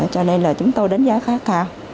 cho nên là chúng tôi đánh giá khá cao